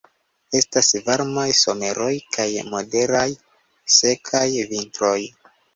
Estas varmaj someroj kaj moderaj sekaj vintroj.